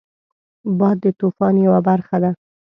باد د طوفان یو برخه ده